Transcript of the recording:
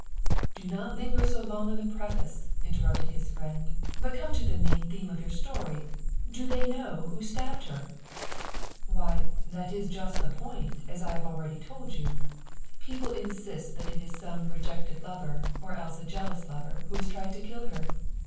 " Do not linger so long on the preface," interrupted his friend, " but come to the main theme of your story. Do they know who stabbed her?" " Why, that is just the point, as I have already told you. People insist that it is some rejected lover, or else a jealous lover, who has tried to kill her.